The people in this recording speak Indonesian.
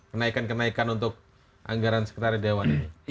kenaikan kenaikan untuk anggaran sekretari dewan ini